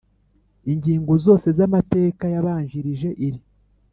Ingingo zose z’amateka yabanjirije iri.